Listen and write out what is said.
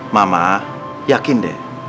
mama yakin deh